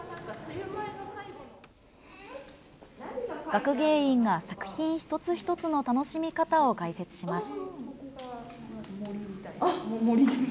学芸員が作品一つ一つの楽しみ方を解説します。